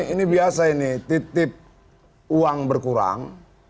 ini biasa ini titip uang berkurang